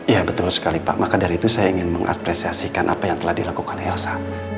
ya betul sekali pak maka dari itu saya ingin mengapresiasikan apa yang telah dilakukan hersan